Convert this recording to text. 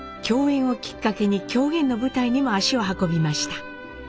共演をきっかけに狂言の舞台にも足を運びました。